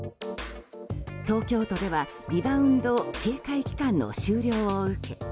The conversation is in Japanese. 東京都ではリバウンド警戒期間の終了を受け